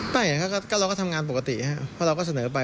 เราก็ทำงานปกติครับเพราะเราก็เสนอไป